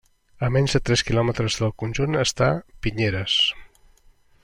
A menys de tres kilòmetres del conjunt està Pinyeres.